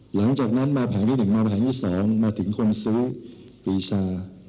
หลังจากนั้นมาแผงที่๑มามาแผงที่๒มาถึงคนซื้อปีชา